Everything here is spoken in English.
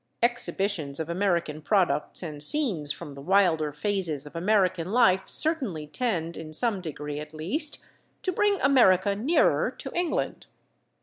Exhibitions of American products and scenes from the wilder phases of American life certainly tend, in some degree at least, to bring America nearer to England.